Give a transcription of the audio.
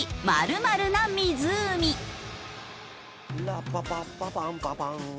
「ラッパパッパパンカパン」